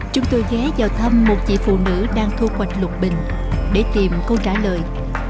chúng tôi ghé vào thăm một chị phụ nữ đang thu hoạch lục bình để tìm câu trả lời